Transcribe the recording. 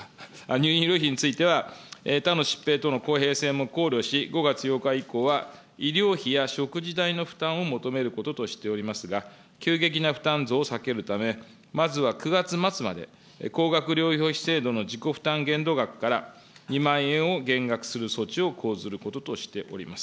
入院医療費については、他の疾病との公平性も考慮し、５月８日以降は医療費や食事代の負担を求めることとしておりますが、急激な負担増を避けるため、まずは９月末まで、高額療養費制度の自己負担限度額から２万円を減額する措置を講ずることとしております。